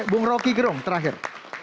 bung rocky gerung terakhir